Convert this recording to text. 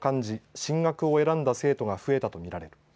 進学を選んだ生徒が増えたと見られる。